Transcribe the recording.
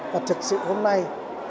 và thực sự hôm nay